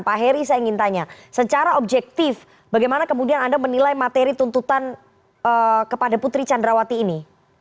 pak heri saya ingin tanya secara objektif bagaimana kemudian anda menilai materi tuntutan kepada putri candrawati ini